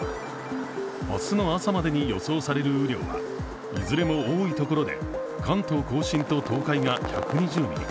明日の朝までに予想される雨量は、いずれも多いところで関東甲信と東海が１２０ミリ